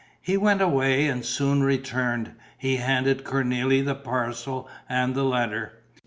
He went away and soon returned; he handed Cornélie the parcel and the letter.